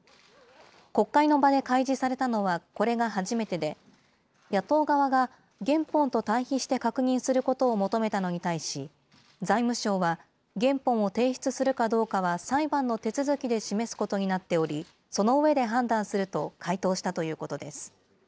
国会の場で開示されたのはこれが初めてで、野党側が原本と対比して確認することを求めたのに対し、財務省は原本を提出するかどうかは裁判の手続きで示すことになっており、その上で判断すると回答したということです。